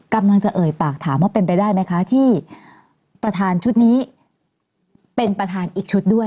กำลังจะเอ่ยปากถามว่าเป็นไปได้ไหมคะที่ประธานชุดนี้เป็นประธานอีกชุดด้วย